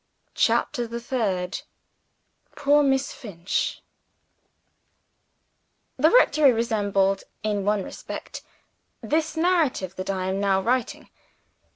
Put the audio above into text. CHAPTER THE THIRD Poor Miss Finch THE rectory resembled, in one respect, this narrative that I am now writing.